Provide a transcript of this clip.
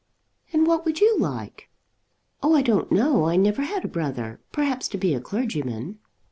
"And what would you like?" "Oh, I don't know. I never had a brother; perhaps to be a clergyman."